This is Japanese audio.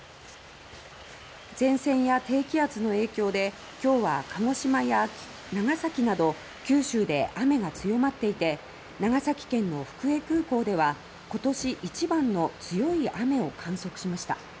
前線や低気圧の影響で今日は鹿児島や長崎など九州で雨が強まっていて長崎県の福江空港では今年一番の強い雨を観測しました。